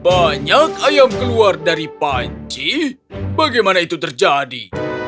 banyak ayam keluar dari panci bagaimana itu terjadi